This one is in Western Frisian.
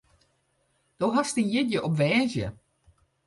Do hast dyn jierdei op woansdei.